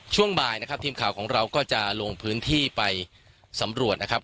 ช่วงบ่ายนะครับทีมข่าวของเราก็จะลงพื้นที่ไปสำรวจนะครับ